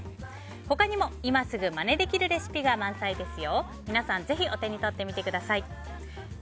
他にも今すぐまねできるレシピが満載です。